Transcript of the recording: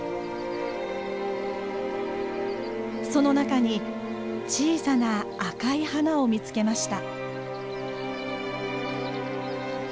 その中に小さな赤い花を見つけました。